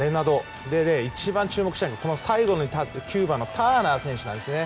そして一番注目したいのは最後の９番のターナー選手なんです。